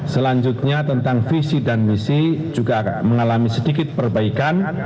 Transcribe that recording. selanjutnya tentang visi dan misi juga mengalami sedikit perbaikan